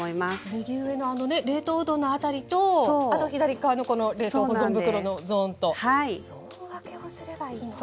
右上のあのね冷凍うどんの辺りとあと左側のこの冷凍保存袋のゾーンとゾーン分けをすればいいのか。